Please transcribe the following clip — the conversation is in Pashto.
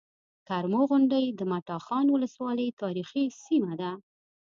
کرمو غونډۍ د مټاخان ولسوالۍ تاريخي سيمه ده